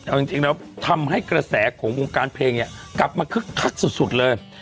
เอาจริงแล้วทำให้กระแสของวงการเพลงเนี่ยกลับมาคึกคักสุดเลย